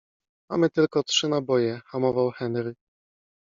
- Mamy tylko trzy naboje - hamował Henry.